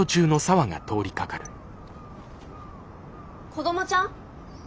子どもちゃん？